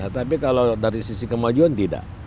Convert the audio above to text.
tapi kalau dari sisi kemajuan tidak